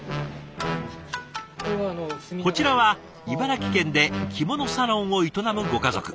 こちらは茨城県で着物サロンを営むご家族。